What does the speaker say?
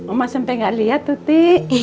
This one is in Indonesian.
oma sampai gak lihat tuti